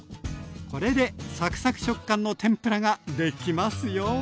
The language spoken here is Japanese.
これでサクサク食感の天ぷらができますよ。